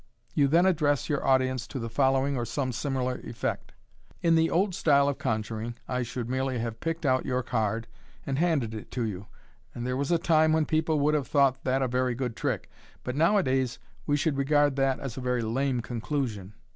You then address your audience to the following or some similar effect :—'* In the old style of conjuring, I should merely have picked out your card, and handed it to you j and there was a time when people would have thought that a very good trick, but nowadays we should regard that as a tery lame conclusion.